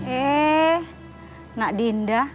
eh nak dinda